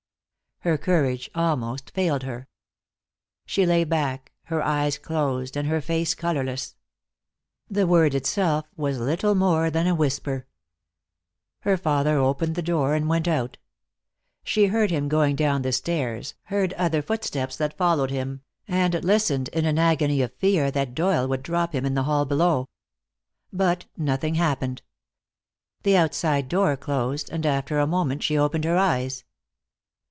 Her courage almost failed her. She lay back, her eyes closed and her face colorless. The word itself was little more than a whisper. Her father opened the door and went out. She heard him going down the stairs, heard other footsteps that followed him, and listened in an agony of fear that Doyle would drop him in the hall below. But nothing happened. The outside door closed, and after a moment she opened her eyes.